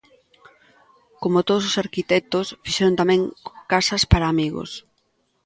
Como todos os arquitectos, fixeron tamén casas para amigos.